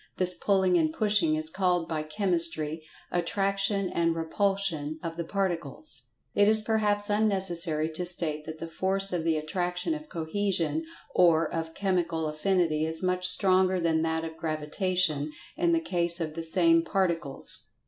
This pulling and pushing is called by Chemistry "Attraction and Repulsion" of the Particles. It is perhaps unnecessary to state that the Force of the Attraction of Cohesion or of Chemical Affinity is much stronger than that of Gravitation, in the case of the same Particles.